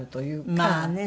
まあね。